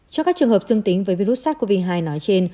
cho các trường hợp dương tính với virus sars cov hai nói trên